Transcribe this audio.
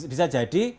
kalau bisa jadi